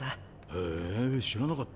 へぇ知らなかった。